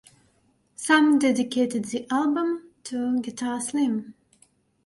Sahm dedicated the album to Guitar Slim.